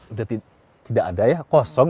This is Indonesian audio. sudah tidak ada ya kosong